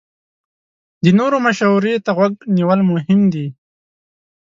د نورو مشورې ته غوږ نیول مهم دي.